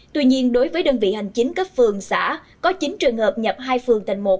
tuy nhiên đối với đơn vị hành chính cấp phường xã có chín trường hợp nhập hai phường thành một